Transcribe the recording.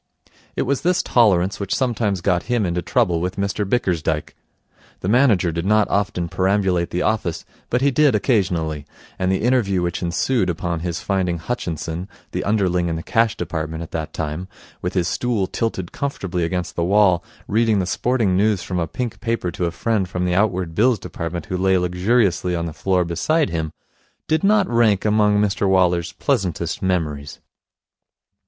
It was this tolerance which sometimes got him into trouble with Mr Bickersdyke. The manager did not often perambulate the office, but he did occasionally, and the interview which ensued upon his finding Hutchinson, the underling in the Cash Department at that time, with his stool tilted comfortably against the wall, reading the sporting news from a pink paper to a friend from the Outward Bills Department who lay luxuriously on the floor beside him, did not rank among Mr Waller's pleasantest memories.